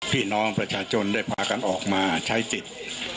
พี่น้องประชาชนได้พากันออกมาใช้สิทธิ์